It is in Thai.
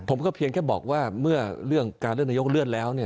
ผมก็เพียงแค่บอกว่าเมื่อเรื่องการเลือกนายกเลื่อนแล้ว